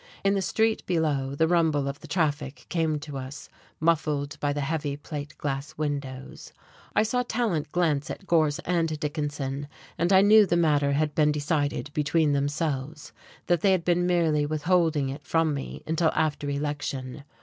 In the street below the rumble of the traffic came to us muffled by the heavy plate glass windows. I saw Tallant glance at Gorse and Dickinson, and I knew the matter had been decided between themselves, that they had been merely withholding it from me until after election.